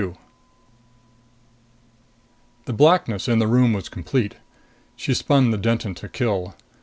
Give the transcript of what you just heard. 22 The blackness in the room was complete. She spun the Denton to kill.